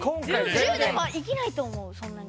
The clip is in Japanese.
１０年は生きないと思うそんなに。